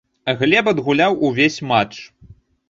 Глеб адгуляў увесь матч.